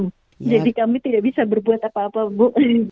jadi kami tidak bisa berbuat apa apa ibu